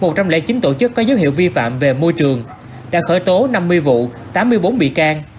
trong lệ chính tổ chức có dấu hiệu vi phạm về môi trường đã khởi tố năm mươi vụ tám mươi bốn bị can